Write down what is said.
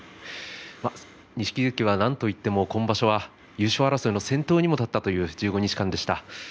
錦木関はなんといっても今場所は優勝争いの先頭にも立ったという１５日間でした。